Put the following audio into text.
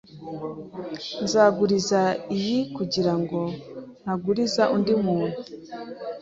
Nzaguriza iyi kugirango ntaguriza undi muntu.